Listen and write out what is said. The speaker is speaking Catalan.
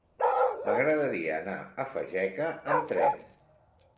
M'agradaria anar a Fageca amb tren.